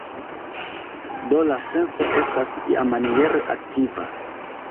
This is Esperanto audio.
Do la senso estas iamaniere aktiva.